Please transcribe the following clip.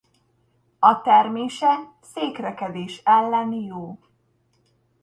A termése székrekedés ellen jó.